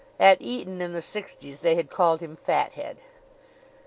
At Eton, in the sixties, they had called him Fathead.